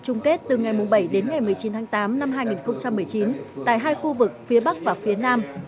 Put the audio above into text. chung kết từ ngày bảy đến ngày một mươi chín tháng tám năm hai nghìn một mươi chín tại hai khu vực phía bắc và phía nam